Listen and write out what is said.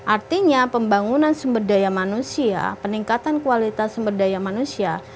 artinya pembangunan sumber daya manusia peningkatan kualitas sumber daya manusia